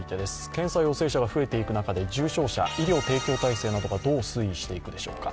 検査陽性者が増えていく中で重症者、医療提供体制などがどう推移していくでしょうか。